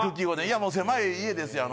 いやもう狭い家です。